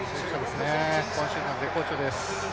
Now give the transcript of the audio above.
今シーズンは絶好調です。